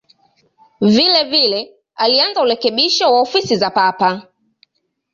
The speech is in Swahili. Vilevile alianza urekebisho wa ofisi za Papa.